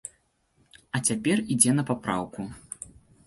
А цяпер ідзе на папраўку.